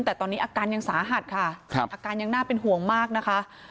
แต่ตอนนี้อาการยังสาหัสค่ะอาการยังน่าเป็นห่วงมากนะคะ